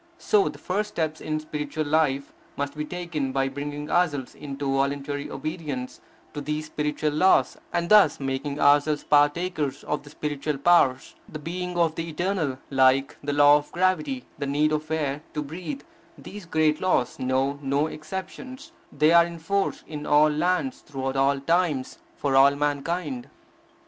So the first steps in spiritual life must be taken by bringing ourselves into voluntary obedience to these spiritual laws and thus making ourselves partakers of the spiritual powers, the being of the Eternal Like the law of gravity, the need of air to breathe, these great laws know no exceptions They are in force in all lands, throughout al times, for all mankind.